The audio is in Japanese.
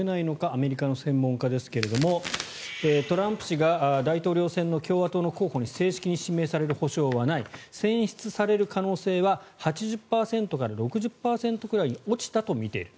アメリカの専門家ですがトランプ氏が大統領選の共和党の候補に正式に指名される保証はない選出される可能性は８０％から６０％くらいに落ちたとみている。